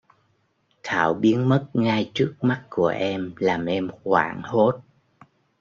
Thảo biến mất ngay trước mắt của em làm em hoảng hốt